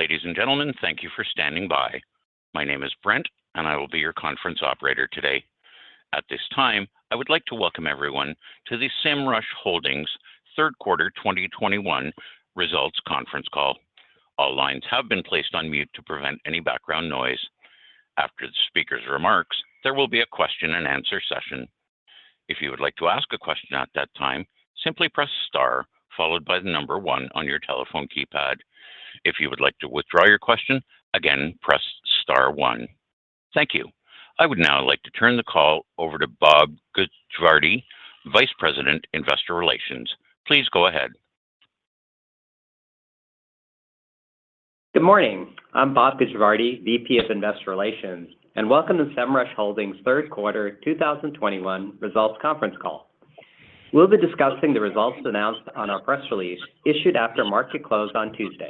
Ladies and gentlemen, thank you for standing by. My name is Brent, and I will be your conference operator today. At this time, I would like to welcome everyone to the Semrush Holdings third quarter 2021 results conference call. All lines have been placed on mute to prevent any background noise. After the speaker's remarks, there will be a question and answer session. If you would like to ask a question at that time, simply press star followed by the number one on your telephone keypad. If you would like to withdraw your question, again, press star one. Thank you. I would now like to turn the call over to Bob Gujavarty, Vice President, Investor Relations. Please go ahead. Good morning. I'm Bob Gujavarty, VP of Investor Relations, and welcome to Semrush Holdings Q3 2021 results conference call. We'll be discussing the results announced on our press release issued after market close on Tuesday.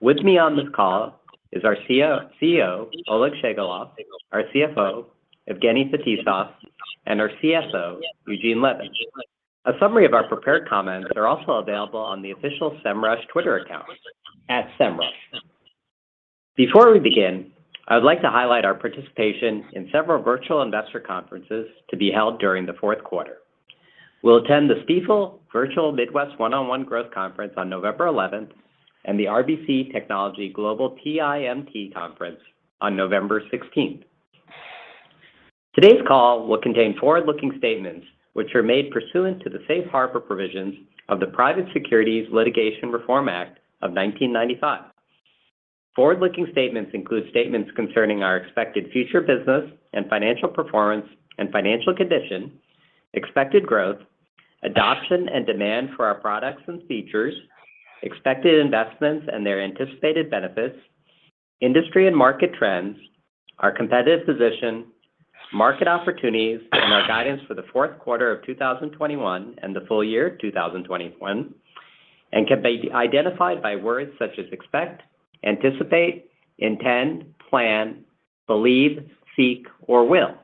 With me on this call is our CEO, Oleg Shchegolev, our CFO, Evgeny Fetisov, and our CSO, Eugene Levin. A summary of our prepared comments are also available on the official Semrush Twitter account, @semrush. Before we begin, I would like to highlight our participation in several virtual investor conferences to be held during the fourth quarter. We'll attend the Stifel Virtual Midwest One-on-One Growth Conference on November 11th and the RBC Technology Global TMT Conference on November 16th. Today's call will contain forward-looking statements which are made pursuant to the Safe Harbor provisions of the Private Securities Litigation Reform Act of 1995. Forward-looking statements include statements concerning our expected future business and financial performance and financial condition, expected growth, adoption and demand for our products and features, expected investments and their anticipated benefits, industry and market trends, our competitive position, market opportunities, and our guidance for the fourth quarter of 2021 and the full year 2021, and can be identified by words such as expect, anticipate, intend, plan, believe, seek, or will.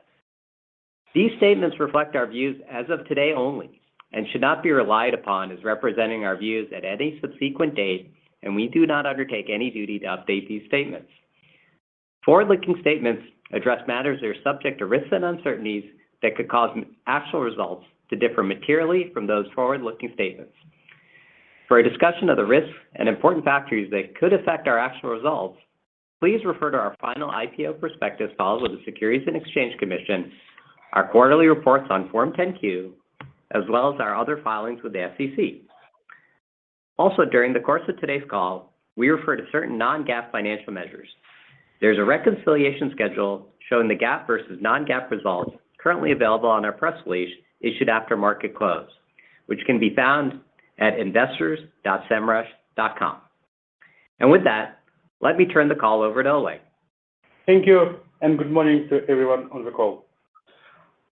These statements reflect our views as of today only and should not be relied upon as representing our views at any subsequent date, and we do not undertake any duty to update these statements. Forward-looking statements address matters that are subject to risks and uncertainties that could cause actual results to differ materially from those forward-looking statements. For a discussion of the risks and important factors that could affect our actual results, please refer to our final IPO prospectus filed with the Securities and Exchange Commission, our quarterly reports on Form 10-Q, as well as our other filings with the SEC. Also, during the course of today's call, we refer to certain non-GAAP financial measures. There's a reconciliation schedule showing the GAAP versus non-GAAP results currently available on our press release issued after market close, which can be found at investors.semrush.com. With that, let me turn the call over to Oleg. Thank you, and good morning to everyone on the call.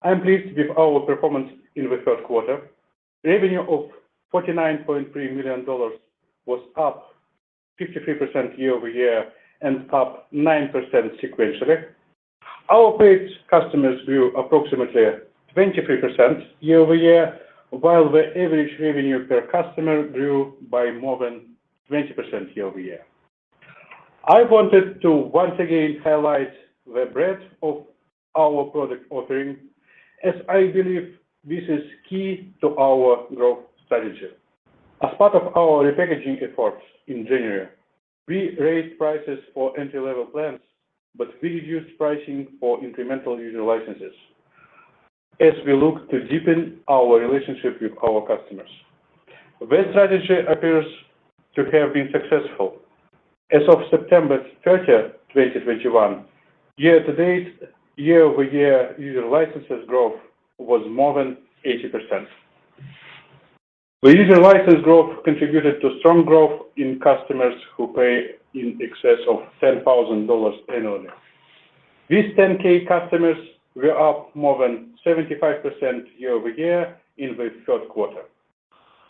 I'm pleased with our performance in the third quarter. Revenue of $49.3 million was up 53% year-over-year and up 9% sequentially. Our paid customers grew approximately 23% year-over-year, while the average revenue per customer grew by more than 20% year-over-year. I wanted to once again highlight the breadth of our product offering, as I believe this is key to our growth strategy. As part of our repackaging efforts in January, we raised prices for entry-level plans, but we reduced pricing for incremental user licenses as we look to deepen our relationship with our customers. The strategy appears to have been successful. As of September 30th, 2021, year-to-date, year-over-year user licenses growth was more than 80%. The user license growth contributed to strong growth in customers who pay in excess of $10,000 annually. These $10,000 customers were up more than 75% year-over-year in the third quarter.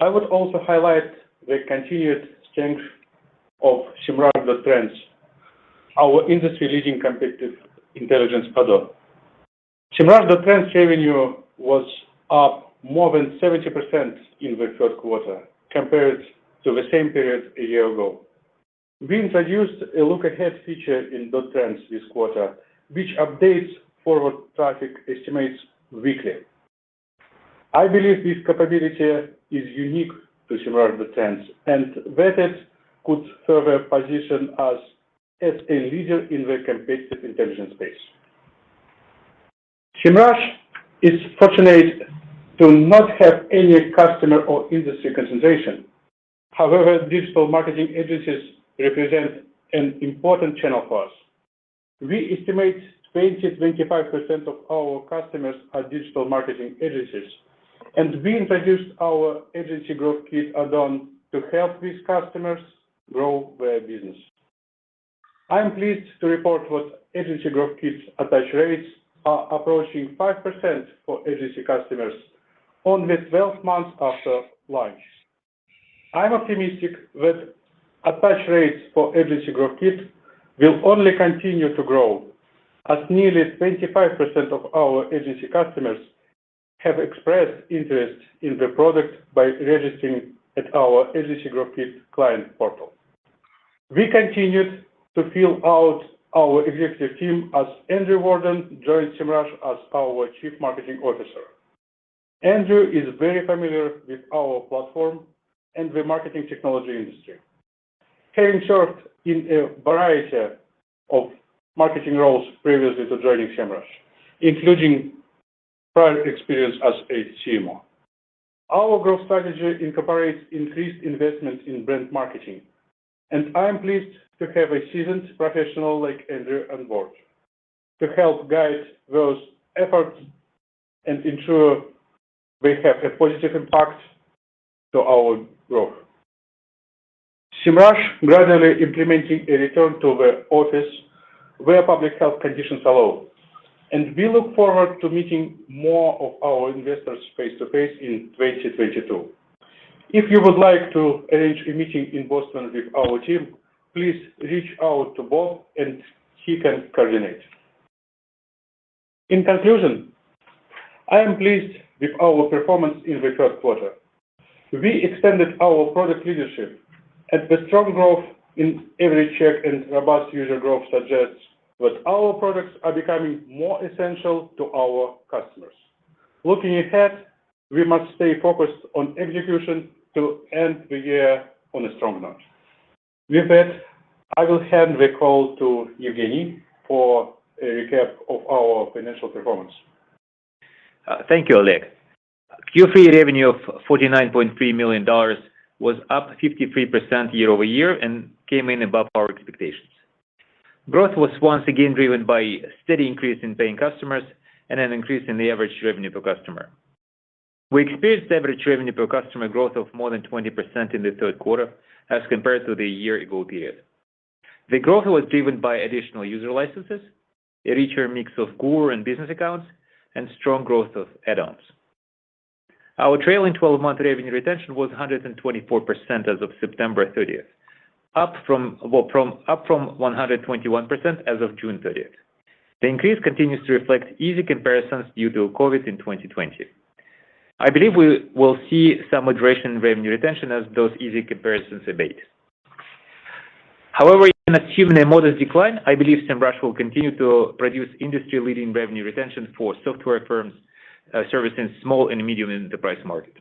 I would also highlight the continued strength of Semrush .Trends, our industry-leading competitive intelligence add-on. Semrush .Trends revenue was up more than 70% in the third quarter compared to the same period a year ago. We introduced a look-ahead feature in .Trends this quarter, which updates forward traffic estimates weekly. I believe this capability is unique to Semrush .Trends, and that it could further position us as a leader in the competitive intelligence space. Semrush is fortunate to not have any customer or industry concentration. However, digital marketing agencies represent an important channel for us. We estimate 20%-25% of our customers are digital marketing agencies, and we introduced our Agency Growth Kit add-on to help these customers grow their business. I am pleased to report that Agency Growth Kit attach rates are approaching 5% for agency customers only 12 months after launch. I'm optimistic that attach rates for Agency Growth Kit will only continue to grow as nearly 25% of our agency customers have expressed interest in the product by registering at our Agency Growth Kit client portal. We continued to fill out our executive team as Andrew Warden joined Semrush as our Chief Marketing Officer. Andrew is very familiar with our platform and the marketing technology industry, having served in a variety of marketing roles previously to joining Semrush, including prior experience as a CMO. Our growth strategy incorporates increased investment in brand marketing, and I am pleased to have a seasoned professional like Andrew on board to help guide those efforts and ensure they have a positive impact to our growth. Semrush is gradually implementing a return to the office where public health conditions allow, and we look forward to meeting more of our investors face-to-face in 2022. If you would like to arrange a meeting in Boston with our team, please reach out to Bob and he can coordinate. In conclusion, I am pleased with our performance in the third quarter. We extended our product leadership and the strong growth in average check and robust user growth suggests that our products are becoming more essential to our customers. Looking ahead, we must stay focused on execution to end the year on a strong note. With that, I will hand the call to Evgeny for a recap of our financial performance. Thank you, Oleg. Q3 revenue of $49.3 million was up 53% year-over-year and came in above our expectations. Growth was once again driven by a steady increase in paying customers and an increase in the average revenue per customer. We experienced average revenue per customer growth of more than 20% in the third quarter as compared to the year ago period. The growth was driven by additional user licenses, a richer mix of core and business accounts, and strong growth of add-ons. Our trailing twelve-month revenue retention was 124% as of September 30th, up from 121% as of June 30th. The increase continues to reflect easy comparisons due to COVID in 2020. I believe we will see some moderation in revenue retention as those easy comparisons abate. However, in achieving a modest decline, I believe Semrush will continue to produce industry-leading revenue retention for software firms servicing small and medium enterprise market.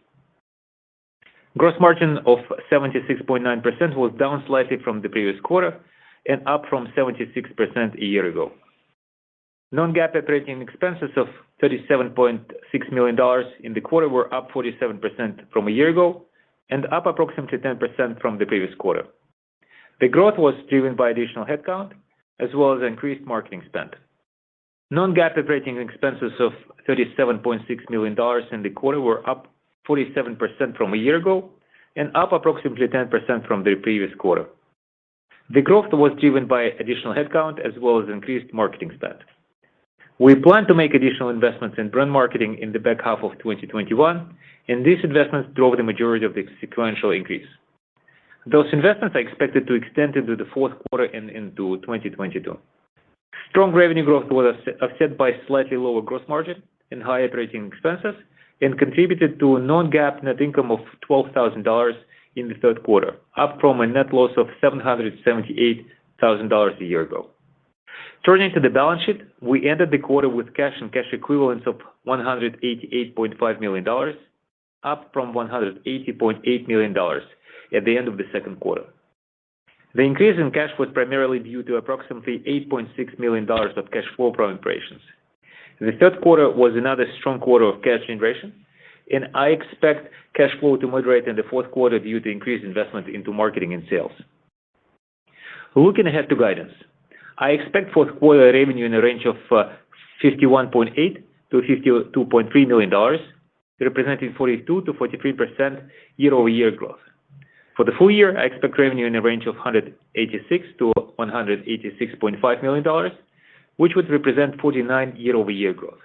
Gross margin of 76.9% was down slightly from the previous quarter and up from 76% a year ago. Non-GAAP operating expenses of $37.6 million in the quarter were up 47% from a year ago and up approximately 10% from the previous quarter. The growth was driven by additional headcount as well as increased marketing spend. We plan to make additional investments in brand marketing in the back half of 2021, and these investments drove the majority of the sequential increase. Those investments are expected to extend into the fourth quarter and into 2022. Strong revenue growth was offset by slightly lower gross margin and higher operating expenses and contributed to a non-GAAP net income of $12,000 in the third quarter, up from a net loss of $778,000 a year ago. Turning to the balance sheet, we ended the quarter with cash and cash equivalents of $188.5 million, up from $180.8 million at the end of the second quarter. The increase in cash was primarily due to approximately $8.6 million of cash flow from operations. The third quarter was another strong quarter of cash generation, and I expect cash flow to moderate in the fourth quarter due to increased investment into marketing and sales. Looking ahead to guidance, I expect fourth quarter revenue in the range of $51.8 million-$52.3 million, representing 42%-43% year-over-year growth. For the full year, I expect revenue in the range of $186 million-$186.5 million, which would represent 49% year-over-year growth.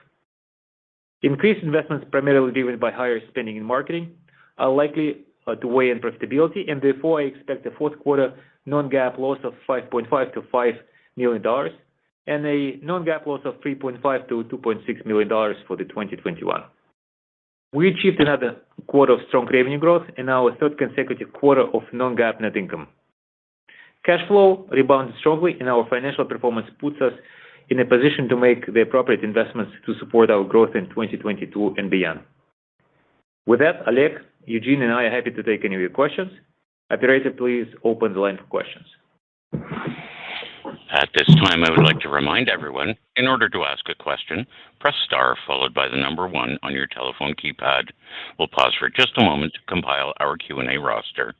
Increased investments primarily driven by higher spending in marketing are likely to weigh on profitability, and therefore, I expect a fourth quarter non-GAAP loss of $5.5 million-$5 million and a non-GAAP loss of $3.5 million-$2.6 million for 2021. We achieved another quarter of strong revenue growth and our third consecutive quarter of non-GAAP net income. Cash flow rebounded strongly, and our financial performance puts us in a position to make the appropriate investments to support our growth in 2022 and beyond. With that, Oleg, Eugene and I are happy to take any of your questions. Operator, please open the line for questions. At this time, I would like to remind everyone, in order to ask a question, press star followed by the number one on your telephone keypad. We'll pause for just a moment to compile our Q&A roster.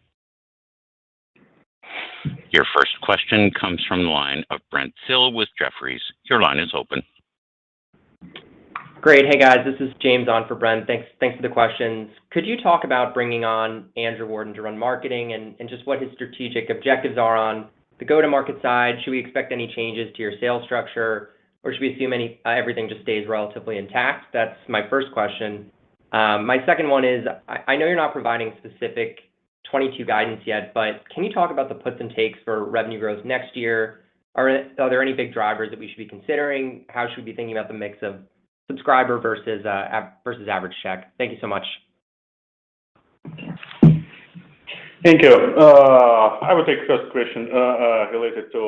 Your first question comes from the line of Brent Thill with Jefferies. Your line is open. Great. Hey, guys, this is James on for Brent. Thanks for the questions. Could you talk about bringing on Andrew Warden to run marketing and just what his strategic objectives are on the go-to-market side? Should we expect any changes to your sales structure, or should we assume any, everything just stays relatively intact? That's my first question. My second one is I know you're not providing specific 22 guidance yet, but can you talk about the puts and takes for revenue growth next year? Are there any big drivers that we should be considering? How should we be thinking about the mix of subscriber versus average check? Thank you so much. Thank you. I will take the first question related to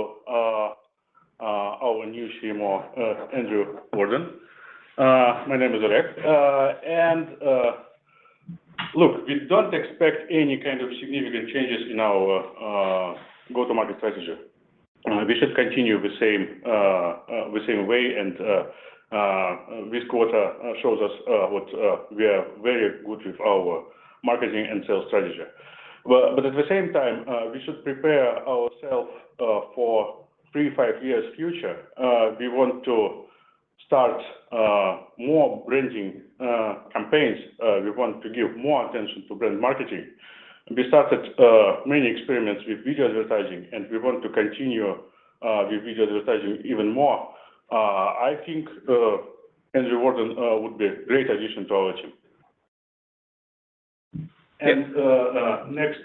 our new CMO, Andrew Warden. My name is Oleg. Look, we don't expect any kind of significant changes in our go-to-market strategy. We should continue the same way. This quarter shows us what we are very good with our marketing and sales strategy. At the same time, we should prepare ourselves for 3-5 years future. We want to start more branding campaigns. We want to give more attention to brand marketing. We started many experiments with video advertising, and we want to continue with video advertising even more. I think Andrew Warden would be a great addition to our team. Next...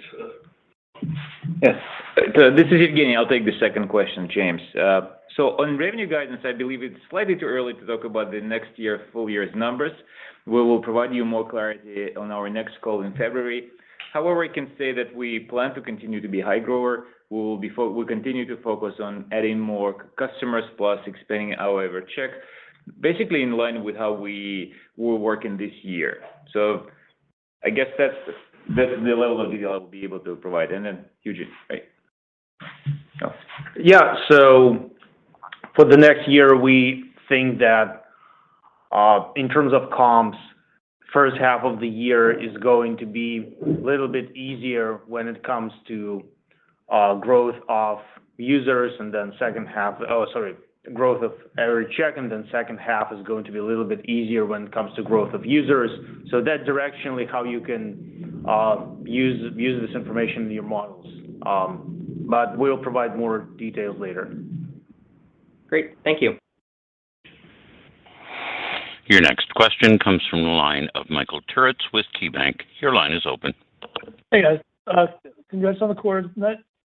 Yes. This is Evgeny. I'll take the second question, James. On revenue guidance, I believe it's slightly too early to talk about the next year full year's numbers. We will provide you more clarity on our next call in February. However, I can say that we plan to continue to be high grower. We'll continue to focus on adding more customers plus expanding our average check, basically in line with how we were working this year. I guess that's the level of detail I will be able to provide. Then Eugene, right? For the next year, we think that in terms of comps, first half of the year is going to be a little bit easier when it comes to growth of average check, and then second half is going to be a little bit easier when it comes to growth of users. That's directionally how you can use this information in your models. But we'll provide more details later. Great. Thank you. Your next question comes from the line of Michael Turits with KeyBanc. Your line is open. Hey, guys. Congrats on the quarter.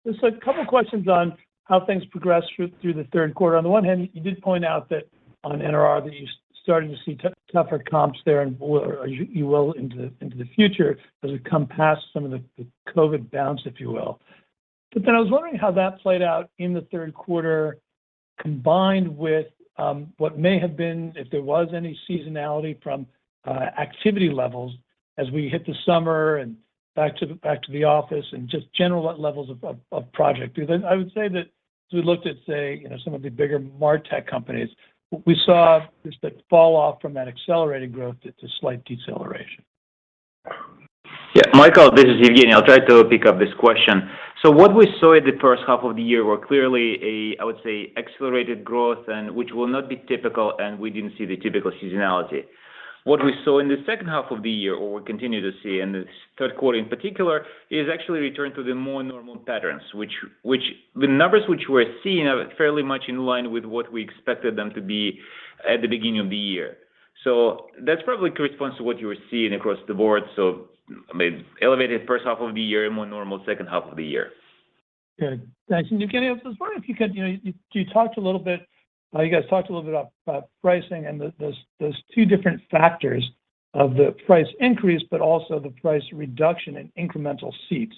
Just a couple of questions on how things progressed through the third quarter. On the one hand, you did point out that on NRR that you're starting to see tougher comps there, and or you will into the future as we come past some of the COVID bounce, if you will. I was wondering how that played out in the third quarter, combined with what may have been, if there was any seasonality from activity levels as we hit the summer and back to the office and just general levels of project. I would say that as we looked at, say, you know, some of the bigger MarTech companies, we saw just that fall off from that accelerated growth to slight deceleration. Yeah. Michael, this is Evgeny. I'll try to pick up this question. What we saw in the first half of the year were clearly a, I would say, accelerated growth and which will not be typical, and we didn't see the typical seasonality. What we saw in the second half of the year, or we continue to see in this third quarter in particular, is actually a return to the more normal patterns, which the numbers we're seeing are fairly much in line with what we expected them to be at the beginning of the year. That's probably corresponds to what you were seeing across the board. I mean, elevated first half of the year and more normal second half of the year. Good. Thanks. Evgeny, I was wondering if you could, you know, you guys talked a little bit about pricing and those two different factors of the price increase, but also the price reduction in incremental seats.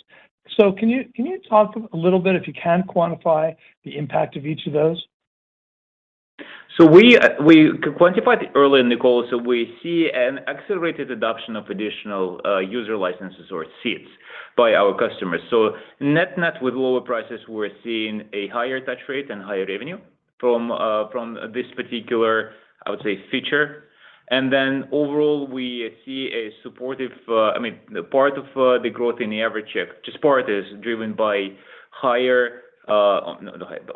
Can you talk a little bit if you can quantify the impact of each of those? We could quantify the earlier in the call. We see an accelerated adoption of additional user licenses or seats by our customers. Net-net with lower prices, we're seeing a higher touch rate and higher revenue from this particular, I would say, feature. And then overall, we see a supportive. I mean, part of the growth in the average check, just part is driven by higher,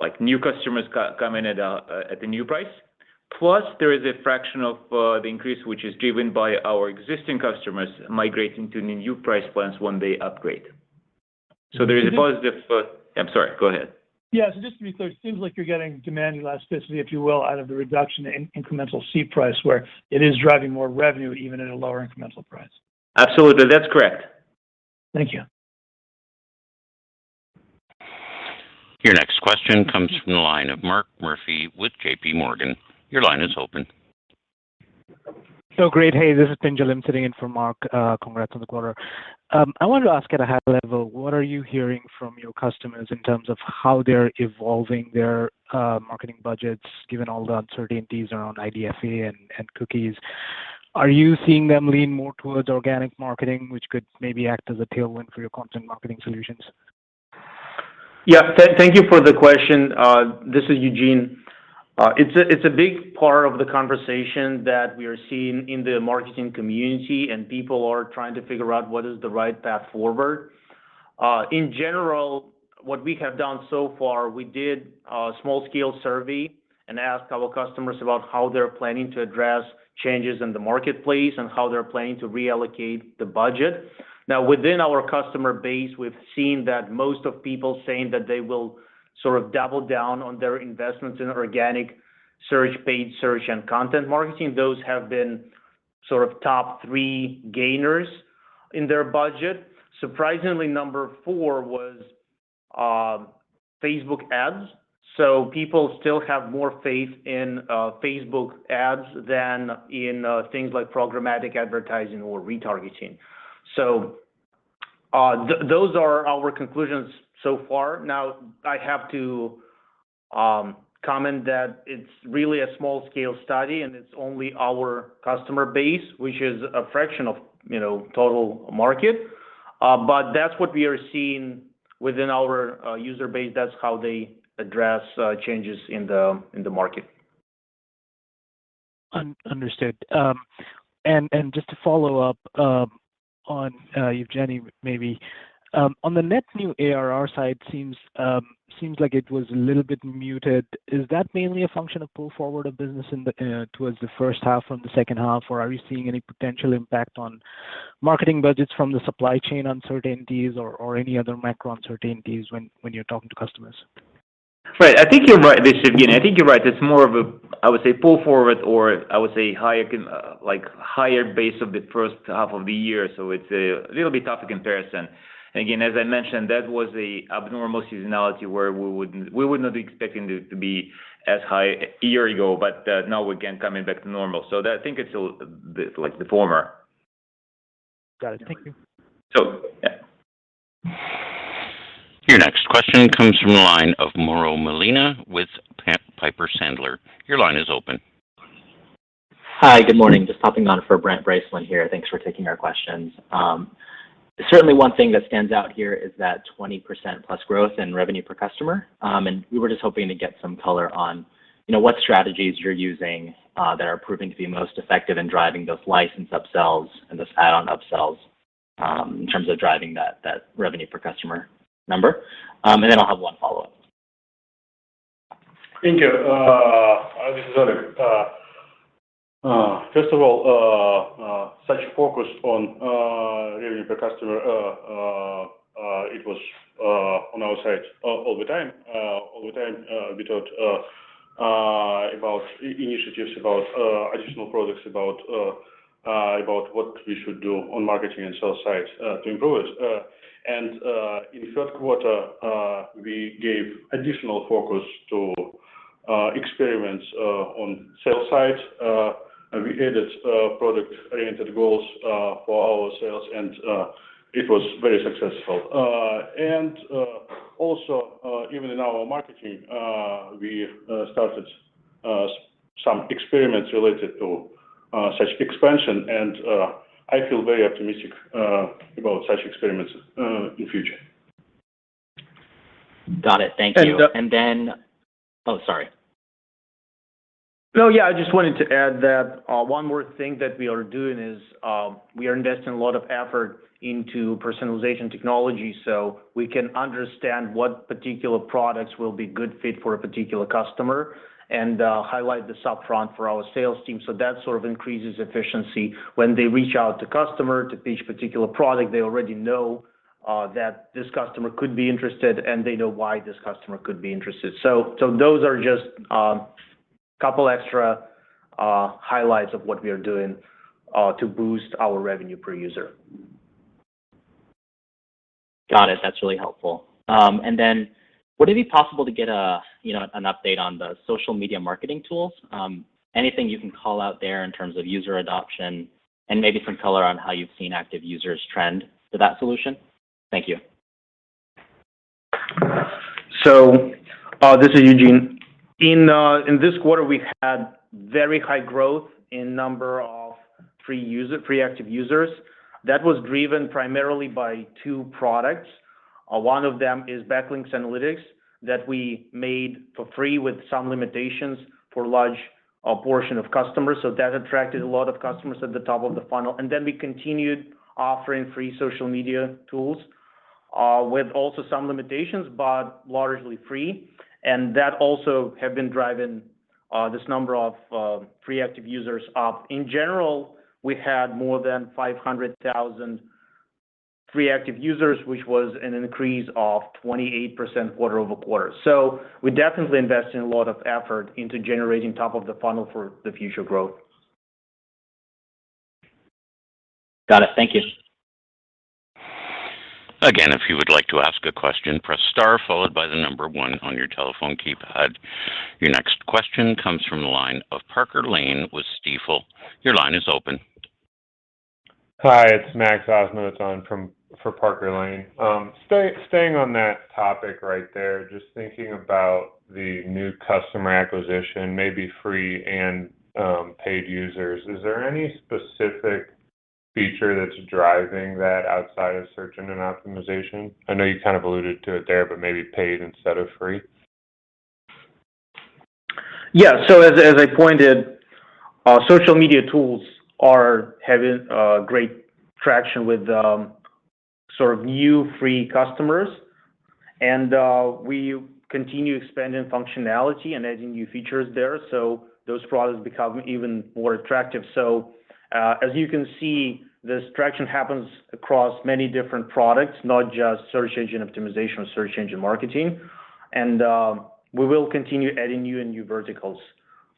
like new customers coming at the new price. Plus, there is a fraction of the increase, which is driven by our existing customers migrating to the new price plans when they upgrade. There is a positive- Just- I'm sorry, go ahead. Yeah. Just to be clear, it seems like you're getting demand elasticity, if you will, out of the reduction in incremental seat price, where it is driving more revenue even at a lower incremental price. Absolutely. That's correct. Thank you. Your next question comes from the line of Mark Murphy with JPMorgan. Your line is open. Great. Hey, this is Pinjalim. I'm sitting in for Mark. Congrats on the quarter. I wanted to ask at a high level, what are you hearing from your customers in terms of how they're evolving their marketing budgets, given all the uncertainties around IDFA and cookies? Are you seeing them lean more towards organic marketing, which could maybe act as a tailwind for your content marketing solutions? Yeah. Thank you for the question. This is Eugene. It's a big part of the conversation that we are seeing in the marketing community, and people are trying to figure out what is the right path forward. In general, what we have done so far, we did a small scale survey and asked our customers about how they're planning to address changes in the marketplace and how they're planning to reallocate the budget. Now, within our customer base, we've seen that most of people saying that they will sort of double down on their investments in organic search, paid search, and content marketing. Those have been sort of top three gainers in their budget. Surprisingly, number four was Facebook ads. People still have more faith in Facebook ads than in things like programmatic advertising or retargeting. Those are our conclusions so far. Now, I have to comment that it's really a small scale study, and it's only our customer base, which is a fraction of, you know, total market. That's what we are seeing within our user base. That's how they address changes in the market. Understood. Just to follow up on Evgeny maybe on the net new ARR side seems like it was a little bit muted. Is that mainly a function of pull forward of business into the first half from the second half? Or are you seeing any potential impact on marketing budgets from the supply chain uncertainties or any other macro uncertainties when you're talking to customers? Right. I think you're right. This is Evgeny. It's more of a, I would say, pull forward or I would say higher, like higher base of the first half of the year. It's a little bit tough comparison. Again, as I mentioned, that was a abnormal seasonality where we wouldn't, we would not be expecting it to be as high a year ago, but, now we're again coming back to normal. I think it's like the former. Got it. Thank you. Yeah. Your next question comes from the line of Mauro Molina with Piper Sandler. Your line is open. Hi. Good morning. Just hopping on for Brent Bracelin here. Thanks for taking our questions. Certainly one thing that stands out here is that 20%+ growth in revenue per customer. We were just hoping to get some color on, you know, what strategies you're using, that are proving to be most effective in driving those license upsells and those add-on upsells, in terms of driving that revenue per customer number. Then I'll have one follow-up. Thank you. This is Oleg. First of all, such focus on revenue per customer, it was on our side all the time. We thought about initiatives, about additional products, about what we should do on marketing and sales side to improve it. In the third quarter, we gave additional focus to experiments on sales side. We added product-oriented goals for our sales, and it was very successful. Also, even in our marketing, we started some experiments related to such expansion and I feel very optimistic about such experiments in future. Got it. Thank you. And, uh- Oh, sorry. No, yeah. I just wanted to add that, one more thing that we are doing is, we are investing a lot of effort into personalization technology, so we can understand what particular products will be good fit for a particular customer and, highlight this up front for our sales team. So that sort of increases efficiency when they reach out to customer to pitch particular product, they already know, that this customer could be interested and they know why this customer could be interested. So those are just, couple extra, highlights of what we are doing, to boost our revenue per user. Got it. That's really helpful. Would it be possible to get a, you know, an update on the social media marketing tools? Anything you can call out there in terms of user adoption and maybe some color on how you've seen active users trend for that solution? Thank you. This is Eugene. In this quarter, we had very high growth in number of free active users. That was driven primarily by two products. One of them is Backlink Analytics that we made for free with some limitations for large portion of customers. That attracted a lot of customers at the top of the funnel. Then we continued offering free Social Media Toolkit with also some limitations, but largely free. That also have been driving this number of free active users up. In general, we had more than 500,000 free active users, which was an increase of 28% quarter-over-quarter. We're definitely investing a lot of effort into generating top of the funnel for the future growth. Got it. Thank you. If you would like to ask a question, press star followed by the number one on your telephone keypad. Your next question comes from the line of Parker Lane with Stifel. Your line is open. Hi, it's Max Osnowitz. It's on from Parker Lane. Staying on that topic right there, just thinking about the new customer acquisition, maybe free and paid users, is there any specific feature that's driving that outside of search engine optimization? I know you kind of alluded to it there, but maybe paid instead of free. Yeah. As I pointed, Social Media Toolkit are having great traction with sort of new free customers. We continue expanding functionality and adding new features there. Those products become even more attractive. As you can see, this traction happens across many different products, not just search engine optimization or search engine marketing. We will continue adding new verticals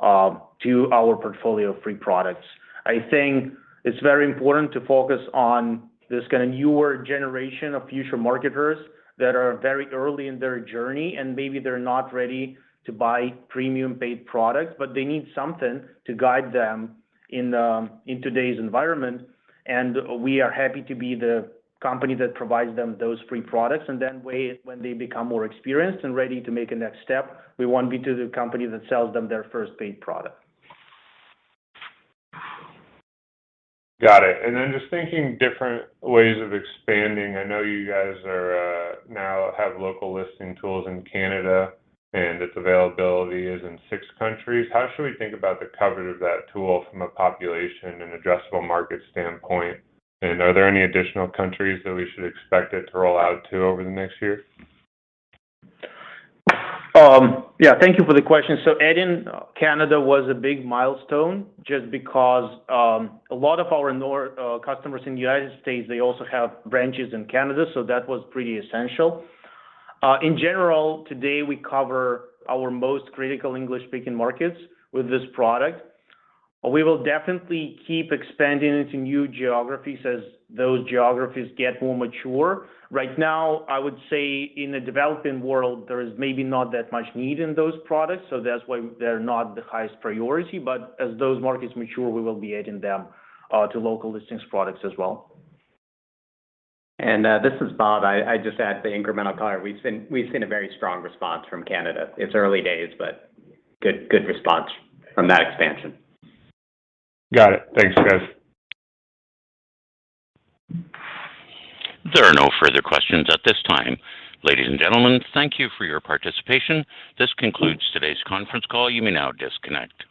to our portfolio of free products. I think it's very important to focus on this kind of newer generation of future marketers that are very early in their journey, and maybe they're not ready to buy premium paid products, but they need something to guide them in today's environment, and we are happy to be the company that provides them those free products. When they become more experienced and ready to make a next step, we want to be the company that sells them their first paid product. Got it. Just thinking different ways of expanding. I know you guys are now have local listing tools in Canada, and its availability is in six countries. How should we think about the coverage of that tool from a population and addressable market standpoint? Are there any additional countries that we should expect it to roll out to over the next year? Thank you for the question. Adding Canada was a big milestone just because a lot of our customers in the United States, they also have branches in Canada, so that was pretty essential. In general, today, we cover our most critical English-speaking markets with this product. We will definitely keep expanding into new geographies as those geographies get more mature. Right now, I would say in the developing world, there is maybe not that much need in those products, so that's why they're not the highest priority. As those markets mature, we will be adding them to Listing Management products as well. This is Bob. I just add the incremental color. We've seen a very strong response from Canada. It's early days, but good response from that expansion. Got it. Thanks, guys. There are no further questions at this time. Ladies and gentlemen, thank you for your participation. This concludes today's conference call. You may now disconnect.